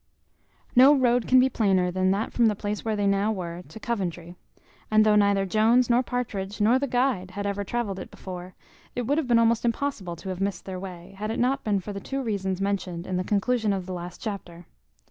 No road can be plainer than that from the place where they now were to Coventry; and though neither Jones, nor Partridge, nor the guide, had ever travelled it before, it would have been almost impossible to have missed their way, had it not been for the two reasons mentioned in the conclusion of the last chapter.